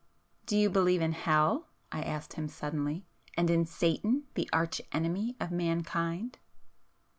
"Do you believe in hell?" I asked him suddenly—"And in Satan, the Arch Enemy of mankind?"